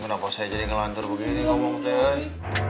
kenapa saya jadi ngelantur begini